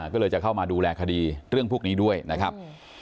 ก็เลยจะเข้ามาดูแลคดีเรื่องพวกนี้ด้วยนะครับ